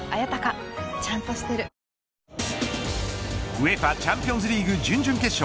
ＵＥＦＡチャンピオンズリーグ準々決勝